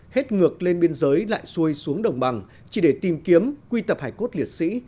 hết ngược lên biên giới lại xuôi xuống đồng bằng chỉ để tìm kiếm quy tập hải cốt liệt sĩ